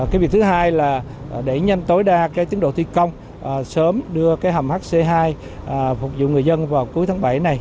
cái việc thứ hai là đẩy nhanh tối đa cái tiến độ thi công sớm đưa cái hầm hc hai phục vụ người dân vào cuối tháng bảy này